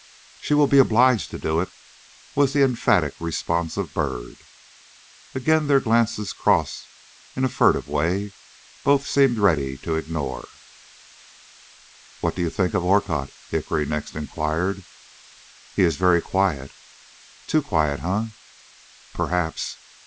"She will be obliged to do it," was the emphatic response of Byrd. And again their glances crossed in a furtive way both seemed ready to ignore. "What do you think of Orcutt?" Hickory next inquired. "He is very quiet." "Too quiet, eh?" "Perhaps.